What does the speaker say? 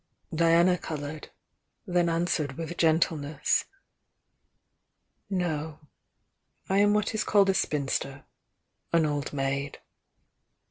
Diana coloured — then answered with gentleness: "No. I am what is called a spinster, — an old maid."